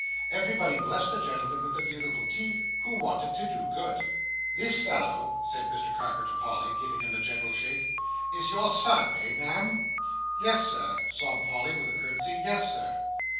Everybody blessed the gentleman with the beautiful teeth, who wanted to do good. "This fellow," said Mr Carker to Polly, giving him a gentle shake, "is your son, eh, Ma'am?" "Yes, Sir," sobbed Polly, with a curtsey; "yes, Sir."